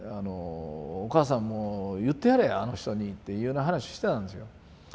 「お母さんも言ってやれあの人に」っていうような話してたんですよ。